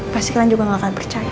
pasti kalian juga gak akan percaya